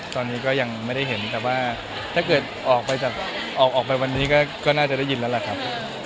ตอนนี้ก็ยังไม่ได้เห็นแต่ว่าถ้าเกิดออกไปจากออกไปวันนี้ก็น่าจะได้ยินแล้วแหละครับ